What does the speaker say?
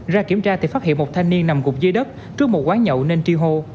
ra kiểm tra thì phát hiện một thanh niên nằm gục dưới đất trước một quán nhậu nên tri hô